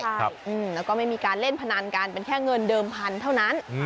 แล้วก็ไม่มีการเล่นพนันกันเป็นแค่เงินเดิมพันธุ์เท่านั้น